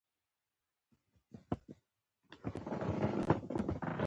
د بلخ واکمنانو هم تشویق کړ.